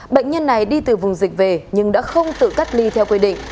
bệnh nhân này đi từ vùng dịch về nhưng đã không tự cách ly theo quy định